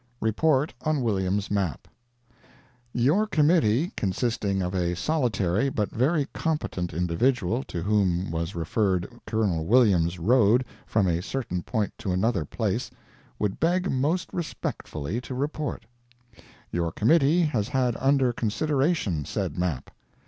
REPORT ON WILLIAMS MAP Your committee, consisting of a solitary but very competent individual, to whom was referred Col. Williams' road from a certain point to another place, would beg most respectfully to report: Your committee has had under consideration said map.